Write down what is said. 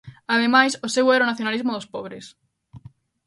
Ademais, o seu era o nacionalismo dos pobres.